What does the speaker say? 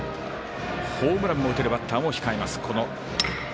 ホームランも打てるバッターも控えます。